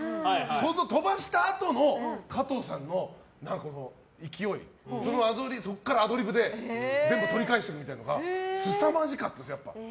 その飛ばしたあとの加藤さんの勢いそこからアドリブで全部取り返したりとかすさまじかったです。